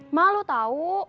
ma lu tau